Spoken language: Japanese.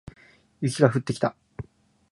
雪が降ってきた